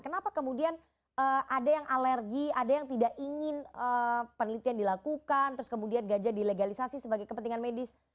kenapa kemudian ada yang alergi ada yang tidak ingin penelitian dilakukan terus kemudian ganja dilegalisasi sebagai kepentingan medis